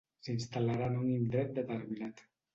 S'instal·larà en un indret determinat.